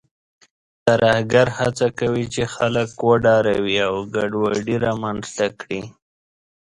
ترهګر هڅه کوي چې خلک وډاروي او ګډوډي رامنځته کړي.